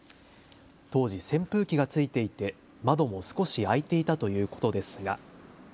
当時、扇風機がついていて窓も少し開いていたということですが。